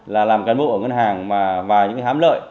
là làm cán bộ ở ngân hàng mà những cái hám lợi